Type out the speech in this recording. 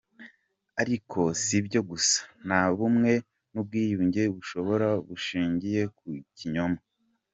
Ariko sibyo gusa, nta bumwe n’ubwiyunge bushoboka bushingiye ku kinyoma.